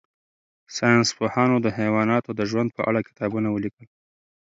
ساینس پوهانو د حیواناتو د ژوند په اړه کتابونه ولیکل.